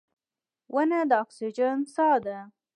• ونه د اکسیجن ساه ده.